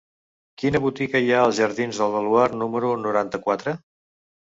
Quina botiga hi ha als jardins del Baluard número noranta-quatre?